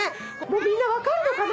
みんな分かるのかな？